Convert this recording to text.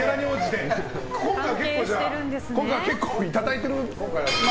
今回結構いただいてるんですね。